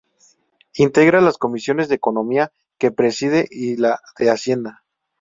Integra las comisiones de Economía, que preside, y la de Hacienda.